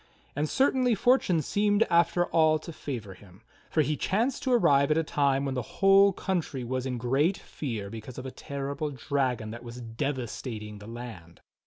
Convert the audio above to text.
And certainly fortune seemed after all to favor him, for he chanced to arrive at a time when the whole country was in great fear because of a terrible dragon that was devastating the land.